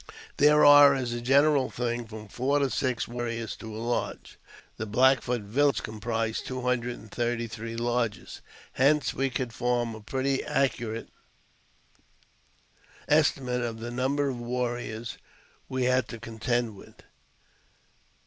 There are, as a general thing, from four to six warriors to a lodge ; the Black Foot village comprised two hundred and thirty three lodges ; hence we could form a pretty accu rate estimate of the number of warriors we had to contend with.